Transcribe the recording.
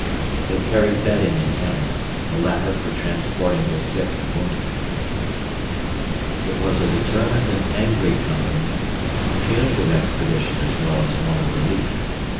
They carried bedding and hammocks, the latter for transporting their sick and wounded. It was a determined and angry company—a punitive expedition as well as one of relief.